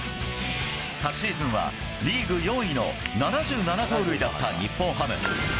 昨シーズンはリーグ４位の７７盗塁だった日本ハム。